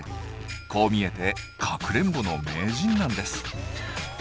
こう見えてかくれんぼの名人なんです。